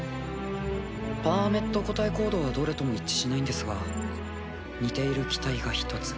パーメット個体コードはどれとも一致しないんですが似ている機体が１つ。